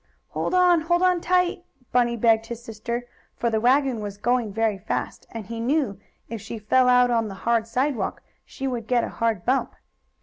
"Hold on! Hold on tight!" Bunny begged his sister, for the wagon was going very fast, and he knew if she fell out on the hard sidewalk she would get a hard bump.